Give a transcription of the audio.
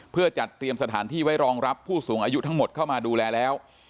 เพื่อจัดเตรียมสถานที่ไว้รองรับผู้สูงอายุทั้งหมดเข้ามาดูแลแล้ว